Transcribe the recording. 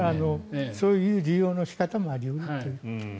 そういう利用の仕方もありますと。